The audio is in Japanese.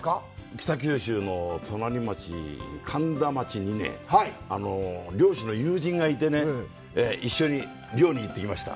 北九州の隣町、苅田町にね、漁師の友人がいてね、一緒に漁に行ってきました。